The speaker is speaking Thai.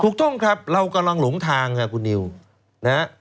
ถูกต้องครับเรากำลังหลงทางค่ะคุณนิวนะฮะ